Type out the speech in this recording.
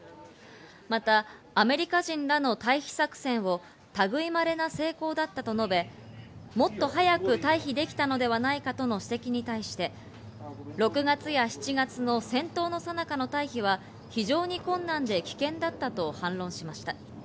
またアメリカ人らの退避作戦を類いまれな成功だったと述べ、もっと早く退避できたのではないかとの指摘に対して６月や７月の戦闘のさなかの退避は非常に困難で危険だったと反論しました。